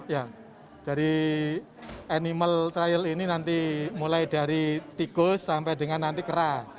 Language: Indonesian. ya dari animal trial ini nanti mulai dari tikus sampai dengan nanti kera